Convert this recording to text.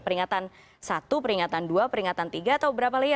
peringatan satu peringatan dua peringatan tiga atau berapa lagi